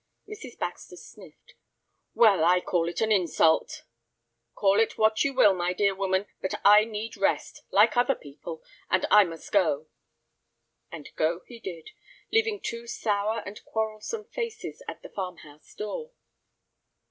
Mrs. Baxter sniffed. "Well, I call it an insult!" "Call it what you will, my dear woman, but I need rest—like other people, and I must go." And go he did, leaving two sour and quarrelsome faces at the farm house door.